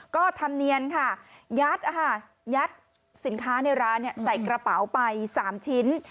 ก็ทำเนียนค่ะยัดสินค้าในร้านใส่กระเป๋าไป๓ชิ้น